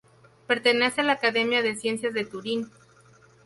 Pertenece a la Academia de ciencias de Turín.